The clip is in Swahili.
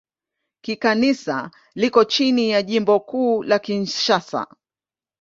Kikanisa liko chini ya Jimbo Kuu la Kinshasa.